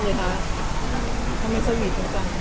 แบบพี่ย่าคือเขินตลอดอะไรอย่างนี้